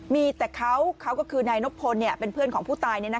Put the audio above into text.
มีแต่เขาก็คือนายนบพลเป็นเพื่อนของผู้ตาย